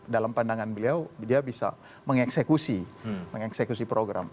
dalam pandangan beliau dia bisa mengeksekusi program